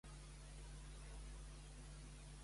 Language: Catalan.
Truca un Blacklane de dues a set per anar a Vilafranca demà.